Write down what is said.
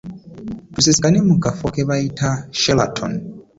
Tusisinkane mu kafo ke bayita Sheraton.